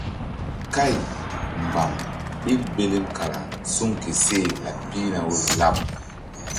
Kay mbam ɓil belem kara suŋ ke seh laɓ pihna woyri laɓ.